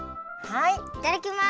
いただきます！